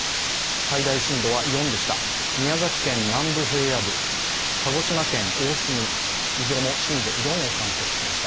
最大震度は４でした、宮崎県南部平野部鹿児島県大隅、いずれも震度４を観測しました。